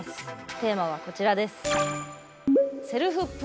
テーマはこちらです。